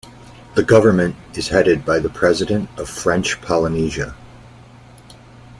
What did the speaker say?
The government is headed by the President of French Polynesia.